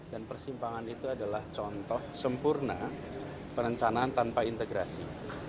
dan persimpangan itu adalah contoh sempurna perencanaan tanpa integrasi